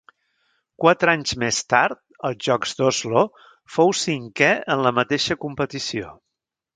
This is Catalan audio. Quatre anys més tard, als Jocs d'Oslo, fou cinquè en la mateixa competició.